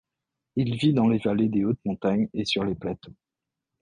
Il vit dans les vallées des hautes montagnes et sur les plateaux.